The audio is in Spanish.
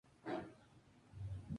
Keisuke Saka